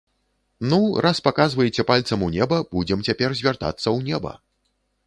Ну, раз паказваеце пальцам у неба, будзем цяпер звяртацца ў неба.